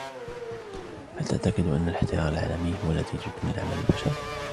هل تعتقد أن الاحترار العالمي هو نتيجة لعمل البشر؟